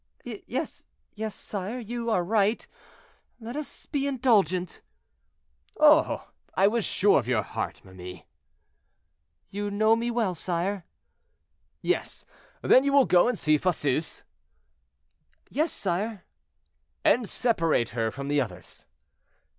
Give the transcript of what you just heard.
"Yes, yes, sire; you are right; let us be indulgent." "Oh! I was sure of your heart, ma mie." "You know me well, sire." "Yes. Then you will go and see Fosseuse?" "Yes, sire." "And separate her from the others?"